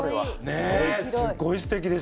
ねえすごいすてきですね。